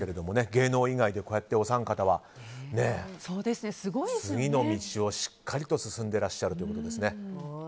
芸能以外で、こうやってお三方は次の道をしっかりと進んでらっしゃるということです。